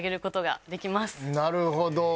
なるほど。